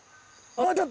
あっ。